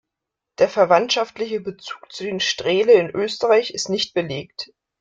Der verwandtschaftliche Bezug zu den Strele in Österreich ist nicht belegt.